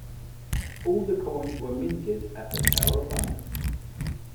All the coins were minted at the Tower of London.